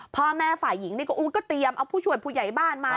พ่อแม่ฝ่ายหญิงนี่ก็เตรียมเอาผู้ช่วยผู้ใหญ่บ้านมา